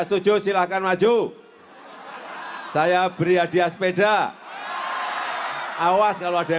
sudah berarti clear semuanya